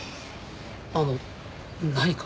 あの何か？